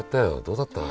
どうだった？